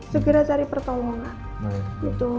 segera cari pertolongan gitu